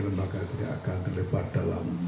lembaga tidak akan terlibat dalam